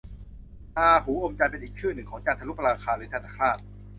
ราหูอมจันทร์ เป็นอีกชื่อหนึ่งของจันทรุปราคา หรือจันทรคราส